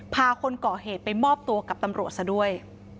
คนก่อเหตุไปมอบตัวกับตำรวจซะด้วย